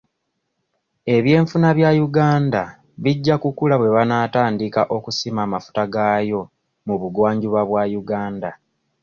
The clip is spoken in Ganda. Eby'enfuna bya Uganda bijja kukula bw'enaatandika okusima amafuta gaayo mu bugwanjuba bwa Uganda.